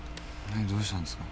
どうしたんですか？